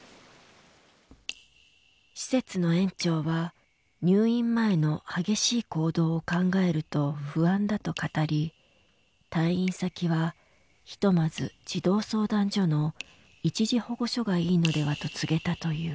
施設の園長は入院前の激しい行動を考えると不安だと語り「退院先はひとまず児童相談所の一時保護所がいいのでは」と告げたという。